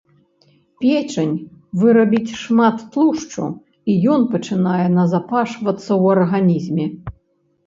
Печань вырабіць шмат тлушчу і ён пачынае назапашвацца ў арганізме.